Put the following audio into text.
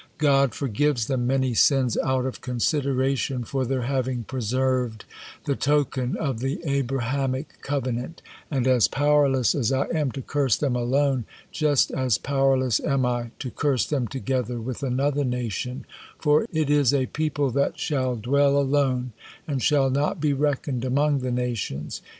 God forgives them many sins out of consideration for their having preserved the token of the Abrahamic covenant; and as powerless as I am to curse them alone, just as powerless am I to curse them together with another nation, for 'it is a people that shall dwell alone, and shall not be reckoned among the nations.'